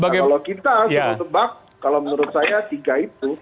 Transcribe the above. kalau kita kalau menurut saya tiga itu